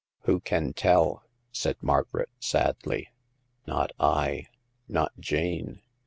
Who can tell ?" said Margaret, sadly. " Not I ; not Jane.